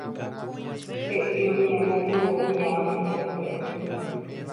He'i osẽvo ko ña Anunciación